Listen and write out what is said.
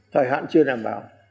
thời hạn chưa đảm bảo